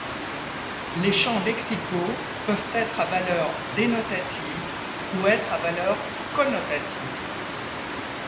Les champs lexicaux peuvent être à valeur dénotative ou être à valeur connotative.